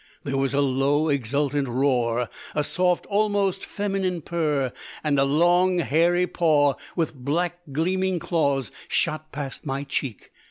There was a low exultant roar, a soft, almost feminine purr, and a long hairy paw, with black, gleaming claws shot past my cheek.